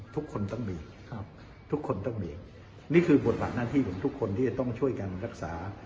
ทุกคนต้องมีครับทุกคนต้องมีนี่คือบทบาทหน้าที่ของทุกคนที่จะต้องช่วยกันรักษา